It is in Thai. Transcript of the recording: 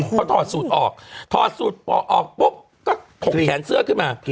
เขาถอดสูตรออกถอดสูตรออกปุ๊บก็ถกแขนเสื้อขึ้นมา